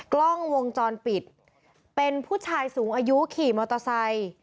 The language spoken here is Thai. กล้องวงจรปิดเป็นผู้ชายสูงอายุขี่มอเตอร์ไซค์